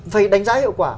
phải đánh giá hiệu quả